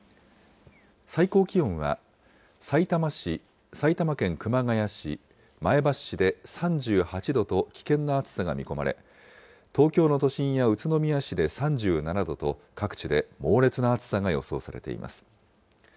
最高気温はさいたま市、埼玉県熊谷市、前橋市で３８度と危険な暑さが見込まれ、東京の都心や宇都宮市で３７度と、各地で猛烈な暑さが予想されています。